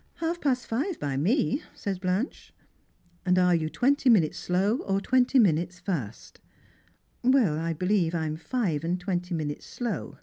" Half past five by me," says Blanche. " Are you twenty minutes slow, or twenty minutes fast r '^ "Well, I believe I'm five and twenty minutes slow."